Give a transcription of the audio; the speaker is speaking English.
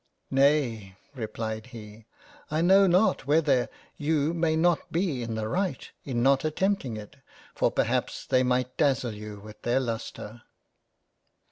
" Nay, (replied he) I know not whether you may not be in the right in not attempting it, for perhaps they might dazzle you with their Lustre."